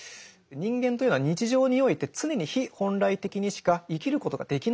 人間というのは日常において常に非本来的にしか生きることができないんだ。